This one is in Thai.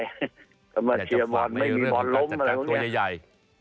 อยากจะฟังไม่เนี่ยเรื่องของการกันจัดจัดตัวใหญ่